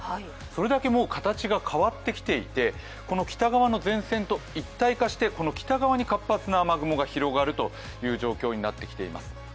それだけもう、形が変わってきていて北側の前線と一体化して、この北側に活発な雨雲が広がるという状態になっています。